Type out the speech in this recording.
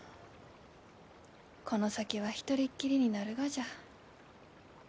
この先は一人っきりになるがじゃ。